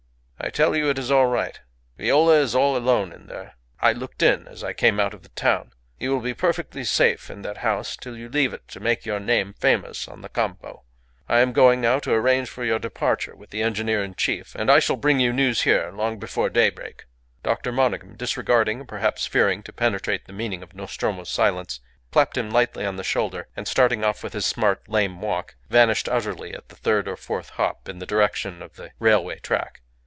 "I tell you it is all right. Viola is all alone in there. I looked in as I came out of the town. You will be perfectly safe in that house till you leave it to make your name famous on the Campo. I am going now to arrange for your departure with the engineer in chief, and I shall bring you news here long before daybreak." Dr. Monygham, disregarding, or perhaps fearing to penetrate the meaning of Nostromo's silence, clapped him lightly on the shoulder, and starting off with his smart, lame walk, vanished utterly at the third or fourth hop in the direction of the railway track.